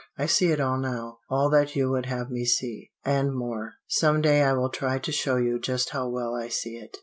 I see it all now; all that you would have me see, and more. Some day I will try to show you just how well I see it.